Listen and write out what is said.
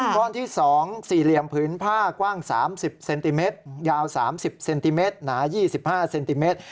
ก้อนที่๒๔เหลี่ยมผืนผ้ากว้าง๓๐เซนติเมตรยาว๓๐เซนติเมตรหนา๒๕เซนติเมตร